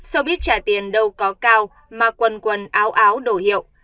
showbiz trả tiền đâu có cao mà quần quần áo áo đổ hiệu